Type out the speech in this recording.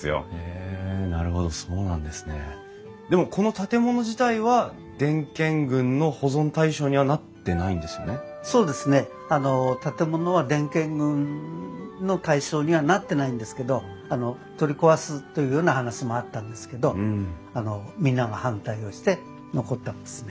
建物は伝建群の対象にはなってないんですけど取り壊すというような話もあったんですけどみんなが反対をして残ったんですね。